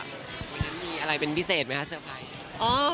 วันนั้นมีอะไรเป็นพิเศษไหมคะเตอร์ไพรส์